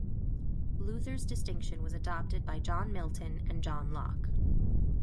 Luther's distinction was adopted by John Milton and John Locke.